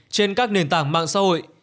trên các nền tảng mạng xã hội